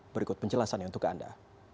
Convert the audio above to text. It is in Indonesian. berikut penjelasannya untuk anda